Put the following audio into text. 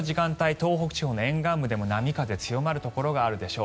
東北地方の沿岸部でも波、風強まるところがあるでしょう。